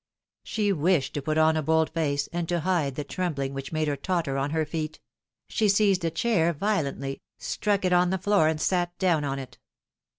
She wished to put on a bold face, and to hide the trembling which made her totter on her feet ; she seized a chair violently, struck it on the floor and sat down on it.